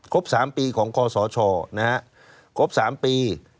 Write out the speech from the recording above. ครบ๓ปีของกศชครบ๓ปี